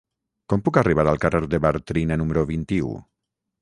Com puc arribar al carrer de Bartrina número vint-i-u?